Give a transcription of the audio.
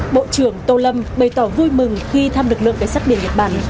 bộ trưởng tô lâm bày tỏ vui mừng khi thăm lực lượng cảnh sát biển nhật bản